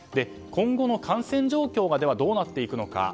今後の感染状況がどうなっていくのか。